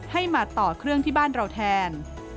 ให้มาต่อเครื่องที่บ้านเราแทน